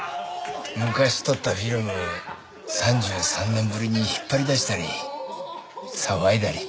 昔撮ったフィルム３３年ぶりに引っ張り出したり騒いだり。